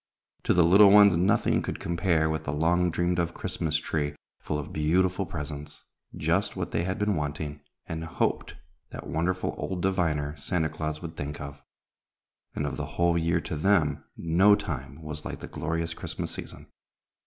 To the little ones nothing could compare with the long dreamed of Christmas tree full of beautiful presents, just what they had been wanting, and hoped that wonderful old diviner, Santa Claus, would think of; and, of the whole year to them, no time was like the glorious Christmas season.